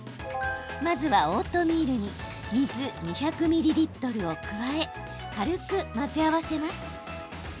まずはオートミールに水２００ミリリットルを加え軽く混ぜ合わせます。